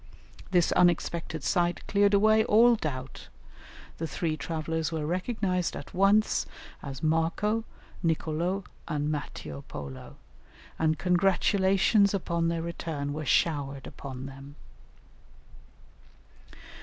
This unexpected sight cleared away all doubt; the three travellers were recognized at once as Marco, Nicolo, and Matteo Polo, and congratulations upon their return were showered upon them.